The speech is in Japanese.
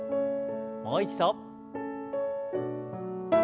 もう一度。